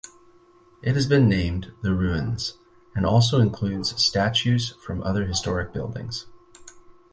It has been named "The Ruins" and also includes statues from other historic buildings.